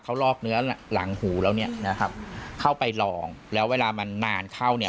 เขาลอกเนื้อหลังหูแล้วเนี่ยนะครับเข้าไปลองแล้วเวลามันนานเข้าเนี่ย